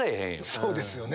そうですよね。